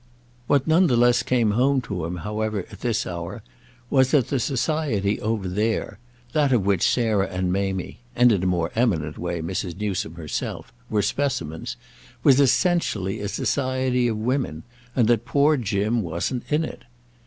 What none the less came home to him, however, at this hour, was that the society over there, that of which Sarah and Mamie—and, in a more eminent way, Mrs. Newsome herself—were specimens, was essentially a society of women, and that poor Jim wasn't in it.